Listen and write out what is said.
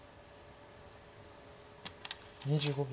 ２５秒。